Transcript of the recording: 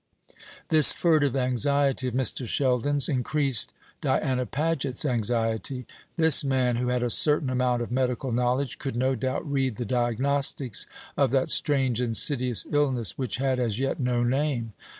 This furtive anxiety of Mr. Sheldon's increased Diana Paget's anxiety. This man, who had a certain amount of medical knowledge, could no doubt read the diagnostics of that strange insidious illness, which had, as yet, no name.